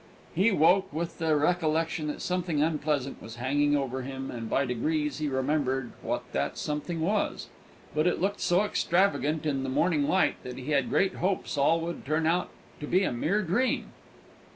He woke with the recollection that something unpleasant was hanging over him, and by degrees he remembered what that something was; but it looked so extravagant in the morning light that he had great hopes all would turn out to be a mere dream.